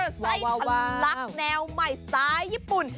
ไส้ทะลักแนวใหม่สไตล์ญี่ปุ่น